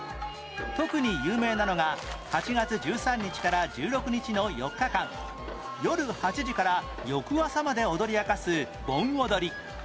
特に有名なのが８月１３日から１６日の４日間夜８時から翌朝まで踊りあかす盆踊り